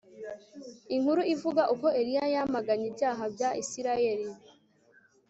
Inkuru ivuga uko Eliya yamaganye ibyaha bya Isirayeli